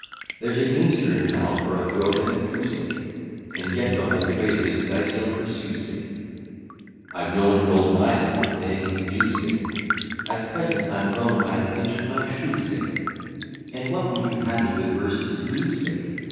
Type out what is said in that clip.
There's a gamester in town, for a throw that he threw sick, And yet the whole trade of his dice he'll pursue sick; I've known an old miser for paying his due sick; At present I'm grown by a pinch of my shoe sick, And what would you have me with verses to do sick?